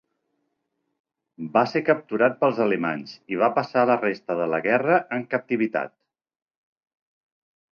Va ser capturat pels alemanys i va passar la resta de la guerra en captivitat.